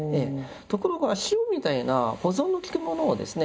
ところが塩みたいな保存のきくものをですね